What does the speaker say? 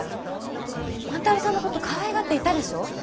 万太郎さんのことかわいがっていたでしょ？